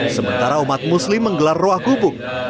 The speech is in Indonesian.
sementara umat muslim menggelar roah kubuk